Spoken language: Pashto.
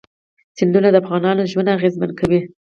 سیندونه د افغانانو ژوند اغېزمن کوي.